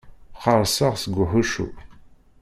Qqerṣeɣ seg uḥuccu.